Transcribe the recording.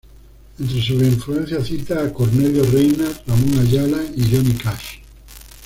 Entre sus influencias cita a Cornelio Reyna, Ramón Ayala y Johnny Cash.